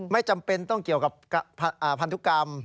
ไม่จำเป็นต้องเกี่ยวกับพันธุกรรม